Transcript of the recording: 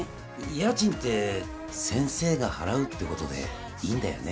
家賃って先生が払うってことでいいんだよね？